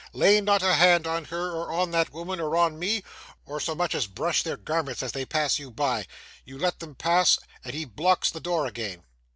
Lay not a hand on her, or on that woman, or on me, or so much a brush their garments as they pass you by! You let them pass, and he blocks the door again!